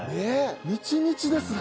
みちみちですね。